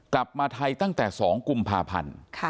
กลับมาไทยตั้งแต่๒กุมภาพันธ์